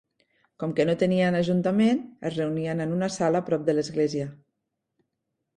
Com que no tenien ajuntament, es reunien en una sala prop de l'església.